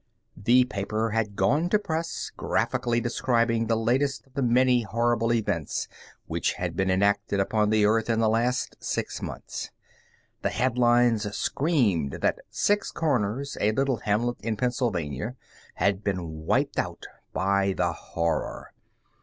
The paper had gone to press, graphically describing the latest of the many horrible events which had been enacted upon the Earth in the last six months. The headlines screamed that Six Corners, a little hamlet in Pennsylvania, had been wiped out by the Horror.